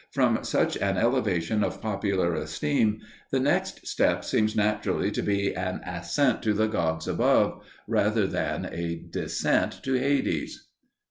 From such an elevation of popular esteem the next step seems naturally to be an ascent to the gods above, rather than a descent to Hades.